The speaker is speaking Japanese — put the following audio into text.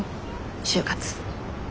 就活。